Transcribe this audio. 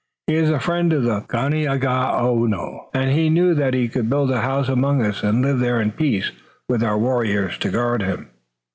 He is the friend of the Ganeagaono, and he knew that he could build a house among us and live there in peace, with our warriors to guard him."